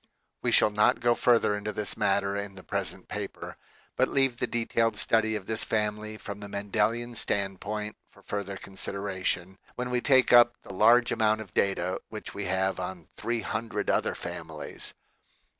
We shall not go further into this matter in the present paper, but leave the detailed study of this family from the Mendelian standpoint for further consideration, when we take up the large amount of data which we have on three hundred other families.